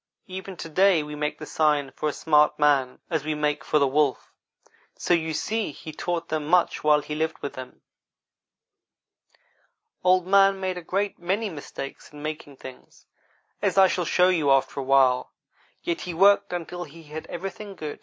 Even to day we make the same sign for a smart man as we make for the wolf; so you see he taught them much while he lived with them. Old man made a great many mistakes in making things, as I shall show you after a while; yet he worked until he had everything good.